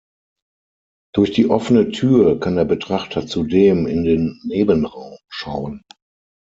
Durch die offene Tür kann der Betrachter zudem in den Nebenraum schauen.